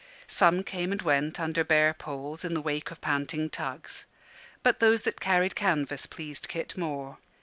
Some came and went under bare poles in the wake of panting tugs; but those that carried canvas pleased Kit more.